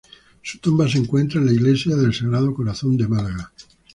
Su tumba se encuentra en la Iglesia del Sagrado Corazón de Málaga.